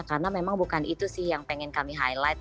karena memang bukan itu sih yang pengen kami highlight